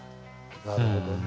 なるほどね。